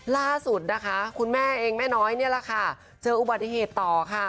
ล่าสุดนะคะคุณแม่เองแม่น้อยนี่แหละค่ะเจออุบัติเหตุต่อค่ะ